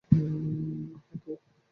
আপা, কে?